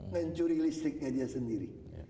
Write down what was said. dengan curi listriknya dia sendiri